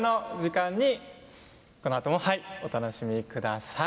このあともお楽しみください